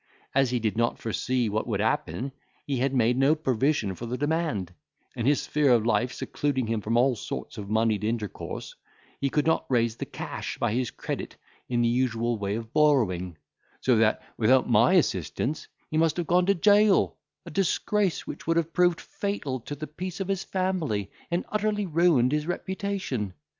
As he did not foresee what would happen, he had made no provision for the demand, and his sphere of life secluding him from all sorts of monied intercourse, he could not raise the cash by his credit in the usual way of borrowing; so that, without my assistance, he must have gone to jail; a disgrace which would have proved fatal to the peace of his family, and utterly ruined his reputation.